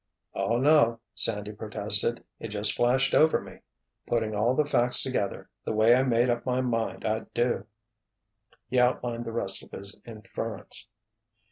"Oh, no," Sandy protested. "It just flashed over me—putting all the facts together, the way I made up my mind I'd do." He outlined the rest of his inference.